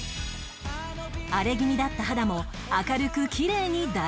荒れ気味だった肌も明るくきれいに大変身